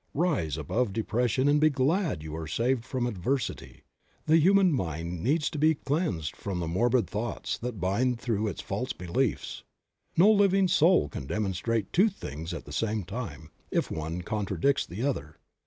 Rise above depression and be glad that you are saved from adversity; the human mind needs to be cleansed from the morbid thoughts that bind through its false beliefs. No living soul can demonstrate two things at the same time, if one contradicts the other.